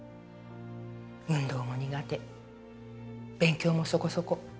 運動も苦手勉強もそこそこ。